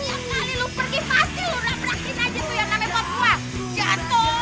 yuk nanya lagi